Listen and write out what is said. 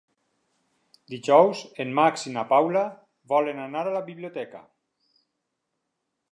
Dijous en Max i na Paula volen anar a la biblioteca.